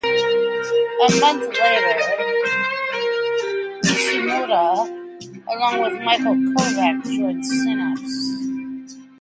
A month later, Nishimura, along with Michael Kovac, joined Synapse.